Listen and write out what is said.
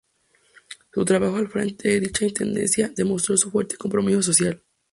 Su trabajo al frente de dicha Intendencia demostró su fuerte compromiso social.